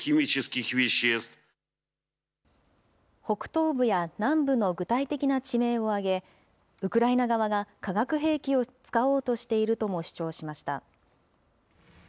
北東部や南部の具体的な地名を挙げ、ウクライナ側が化学兵器を使おうとしているとも主張しました。